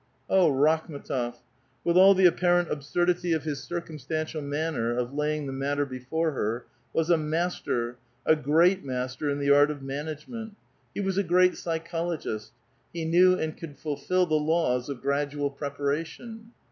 O Rakhm^tof ! with all the apparent absurdity of his cir cumstantial manner of laying the matter before her, was a master, a great master, in the art of management ! He was a great psychologist ; he knew and could fulfil the laws of gradual preparation.